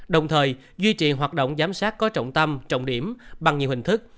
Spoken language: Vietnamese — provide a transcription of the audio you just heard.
đồng thời duy trì hoạt động giám sát có trọng tâm trọng điểm bằng nhiều hình thức